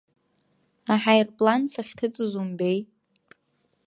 Аҳаирплан сахьҭыҵыз умбеи!